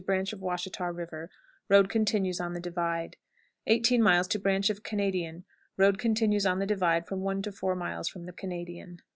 Branch of Washita River. Road continues on the "divide." 18. Branch of Canadian. Road continues on the divide from one to four miles from the Canadian.